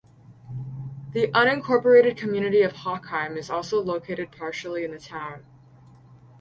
The unincorporated community of Hochheim is also located partially in the town.